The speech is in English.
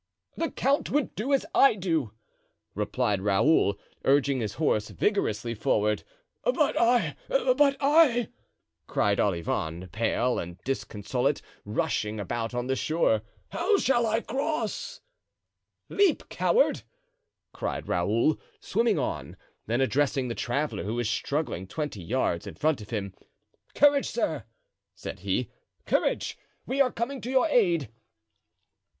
"The count would do as I do," replied Raoul, urging his horse vigorously forward. "But I—but I," cried Olivain, pale and disconsolate rushing about on the shore, "how shall I cross?" "Leap, coward!" cried Raoul, swimming on; then addressing the traveler, who was struggling twenty yards in front of him: "Courage, sir!" said he, "courage! we are coming to your aid."